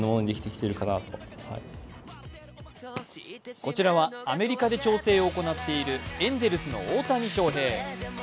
こちらはアメリカで調整を行っているエンゼルスの大谷翔平。